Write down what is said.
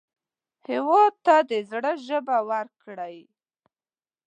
هېواد ته د زړه ژبه ورکړئ